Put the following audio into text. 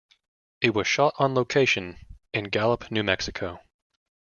It was shot on location in Gallup, New Mexico.